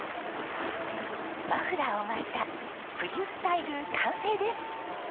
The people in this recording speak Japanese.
マフラーを巻いた冬スタイル完成です！